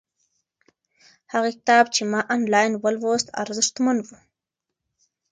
هغه کتاب چې ما آنلاین ولوست ارزښتمن و.